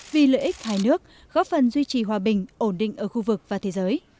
vì lợi ích hai nước góp phần duy trì hòa bình ổn định ở khu vực và thế giới